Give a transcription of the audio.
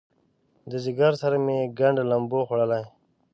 د ځیګر سره مې ګنډ لمبو خوړلی